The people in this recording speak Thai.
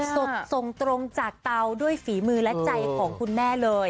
ส่งตรงจากเตาด้วยฝีมือและใจของคุณแม่เลย